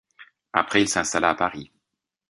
Après il s'installa à Paris.